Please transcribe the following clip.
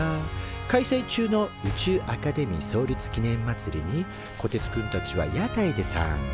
開催中の宇宙アカデミー創立記念まつりにこてつくんたちは屋台で参加。